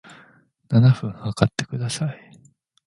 七分測ってください